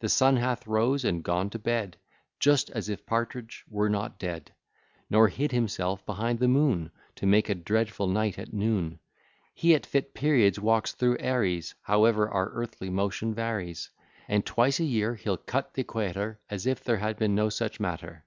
The sun hath rose and gone to bed, Just as if Partridge were not dead; Nor hid himself behind the moon To make a dreadful night at noon. He at fit periods walks through Aries, Howe'er our earthly motion varies; And twice a year he'll cut th' Equator, As if there had been no such matter.